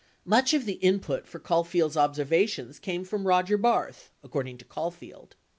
Much of the input for Caulfield's observations came from Roger Barth, according to Caulfield.